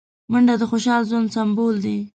منډه د خوشحال ژوند سمبول دی